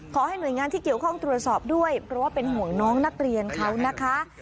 ขอให้หน่วยงานที่เกี่ยวข้องตรวจสอบด้วยเพราะว่าเป็นห่วงน้องนักเรียนเขานะคะ